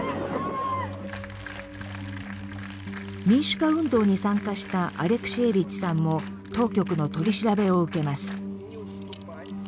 民主化運動に参加したアレクシエービッチさんも当局の取り調べを受けます。